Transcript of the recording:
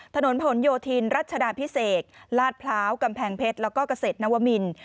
ถนนผลโยธินรัชดาพิเศษลาดพร้าวกำแพงเพชรแล้วก็เกษตรนวมิน